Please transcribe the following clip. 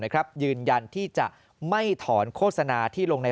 ยืนยันที่จะไม่ถอนโฆษณาที่ลงใน